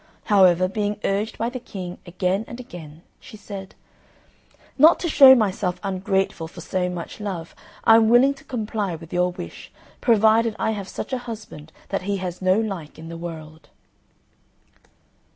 However, being urged by the King again and again, she said, "Not to show myself ungrateful for so much love I am willing to comply with your wish, provided I have such a husband that he has no like in the world."